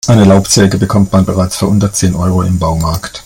Eine Laubsäge bekommt man bereits für unter zehn Euro im Baumarkt.